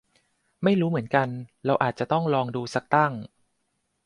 ไม่รู้เหมือนกัน เราอาจจะต้องลองดูซักตั้ง